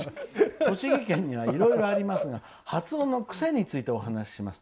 「栃木県にはいろいろありますが発音の癖についてお話します」。